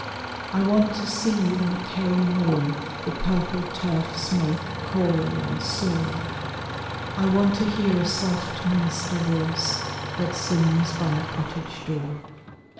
I want to see on a Kerry moor The purple turf smoke, coil, and soar, I want to hear a soft Munster voice That sings by a cottage door.